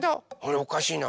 おかしいな。